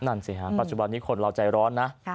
นั่นสิฮะปัจจุบันนี้คนเราใจร้อนนะ